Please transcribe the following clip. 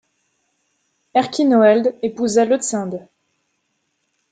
Erchinoald épousa Leutsinde.